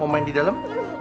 mau main di dalam